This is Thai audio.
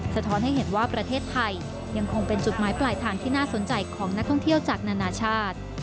สะท้อนให้เห็นว่าประเทศไทยยังคงเป็นจุดหมายปลายทางที่น่าสนใจของนักท่องเที่ยวจากนานาชาติ